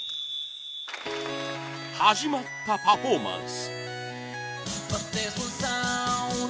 始まったパフォーマンス。